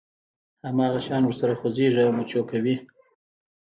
هماغه شان ورسره خوځېږي او مچو کوي.